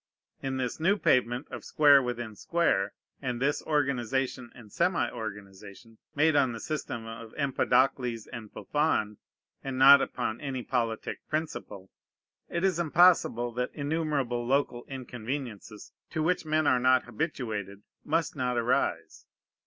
In this new pavement of square within square, and this organization and semi organization, made on the system of Empedocles and Buffon, and not upon any politic principle, it is impossible that innumerable local inconveniences, to which men are not habituated, must not arise.